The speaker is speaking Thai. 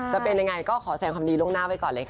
จะเป็นยังไงก็ขอแสงความดีล่วงหน้าไว้ก่อนเลยค่ะ